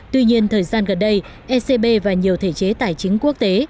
tuy nhiên thời gian gần đây ecb và nhiều thể chế tài chính quốc tế